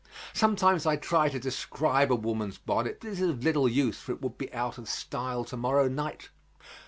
Sometimes I try to describe a woman's bonnet, but it is of little use, for it would be out of style to morrow night.